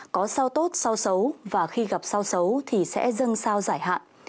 có sao tốt sao xấu và khi gặp sao xấu thì sẽ dân sao giải hạn